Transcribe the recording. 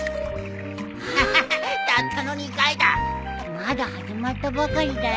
まだ始まったばかりだよ。